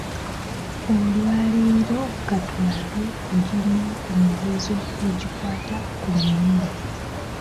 Olwaleero ka tulabe ku gimu ku mizizo egikwata ku mmere.